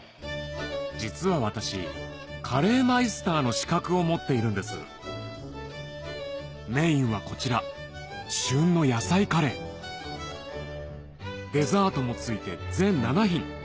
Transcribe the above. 実は私カレーマイスターの資格を持っているんですメインはこちら旬のデザートも付いて全７品